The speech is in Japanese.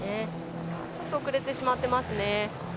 ちょっと遅れてしまっていますね。